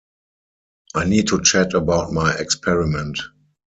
I need to chat about my experiment.